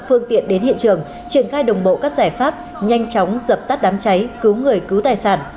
phương tiện đến hiện trường triển khai đồng bộ các giải pháp nhanh chóng dập tắt đám cháy cứu người cứu tài sản